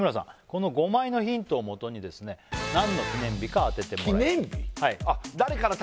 この５枚のヒントをもとにですね何の記念日か当ててもらいます記念日？